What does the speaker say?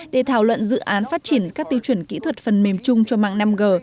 để thảo luận dự án phát triển các tiêu chuẩn kỹ thuật phần mềm chung cho mạng năm g